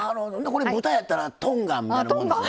これ豚やったら豚丸になるもんですね。